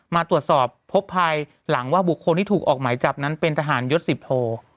มาตรวจสอบพบภายหลังว่าบุคคลที่ถูกออกหมายจับนั้นเป็นทหารยศสิบโท